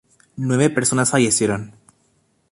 Nueve personas fallecieron.